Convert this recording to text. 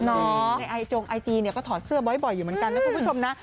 ในไอจงไอจีเนี่ยก็ถอดเสื้อบ่อยอยู่เหมือนกันนะคุณผู้ชมนะ